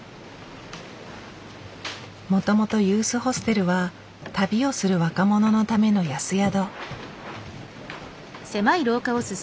もともとユースホステルは旅をする若者のための安宿。